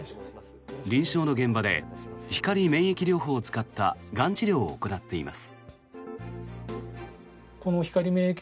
臨床の現場で光免疫療法を使ったがん治療を行っています。